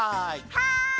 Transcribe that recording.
はい！